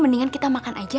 mendingan kita makan aja